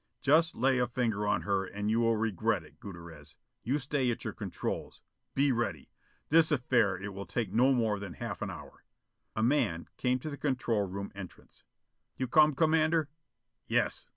"Just lay a finger on her and you will regret it, Gutierrez! You stay at your controls. Be ready. This affair it will take no more than half an hour." A man came to the control room entrance. "You come, Commander?" "Yes.